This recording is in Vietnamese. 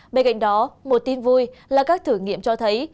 bên cạnh đó một tin vui là các thử nghiệm cho thấy